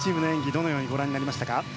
どのようにご覧になりましたか。